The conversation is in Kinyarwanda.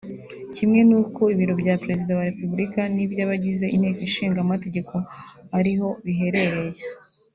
kimwe n’uko ibiro bya Perezida wa Repubulika n’iby’abagize Inteko Ishinga Amategeko ariho biherereye